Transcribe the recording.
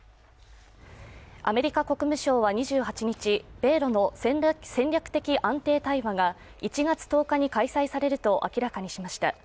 アメリカ国務省は２８日、米ロの戦略的安定対話が１月１０日に開催されると明らかにしました。